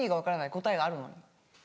答えがあるのに。